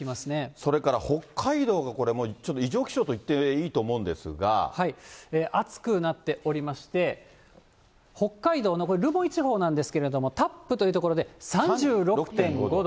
それから北海道がこれもう、ちょっと異常気象と言いと思うん暑くなっておりまして、北海道の留萌地方なんですけど、達布という所で３６．５度。